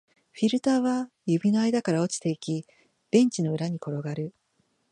フィルターは指の間から落ちていき、ベンチの裏に転がる